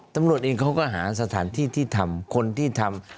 ตำรวจเองเขาก็หาสถานที่ที่ทำคนที่ทำ